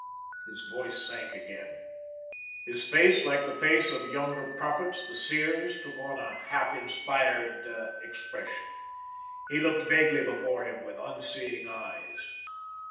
His voice sank again. His face like the face of younger prophets, the seers, took on a half inspired expression. He looked vaguely before him with unseeing eyes.